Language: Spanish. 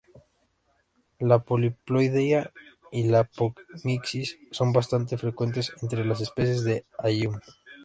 La poliploidía y la apomixis son bastante frecuentes entre las especies de "Allium".